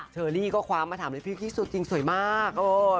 เชอรี่ก็คว้ามาถามเลยพี่ที่สุดจริงสวยมาก